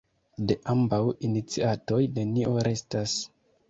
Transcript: De ambaŭ iniciatoj nenio restas.